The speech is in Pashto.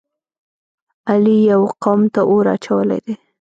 علی یوه قوم ته اور اچولی دی.